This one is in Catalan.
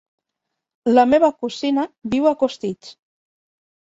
La meva cosina viu a Costitx.